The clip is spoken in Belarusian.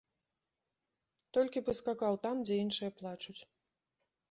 Толькі б і скакаў там, дзе іншыя плачуць.